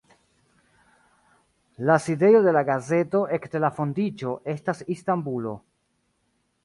La sidejo de la gazeto ekde la fondiĝo estas Istanbulo.